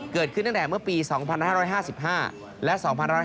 เกิดขึ้นตั้งแต่เมื่อปี๒๕๕๕และ๒๕๕๙